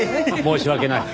申し訳ない。